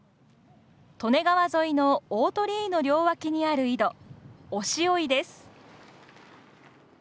利根川沿いの大鳥居の両脇にある井戸忍潮井です。